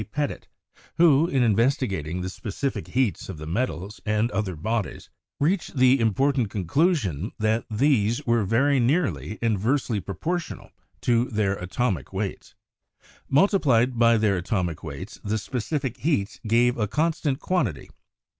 Petit, who, in investigating the specific heats of the metals and other bodies, reached the important conclusion that these were very nearly inversely proportional to their atomic weights. Multiplied by their atomic weights, the specific heats gave a constant quan tity.